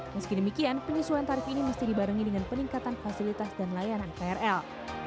meski demikian penyesuaian tarif ini mesti dibarengi dengan peningkatan fasilitas dan layanan krl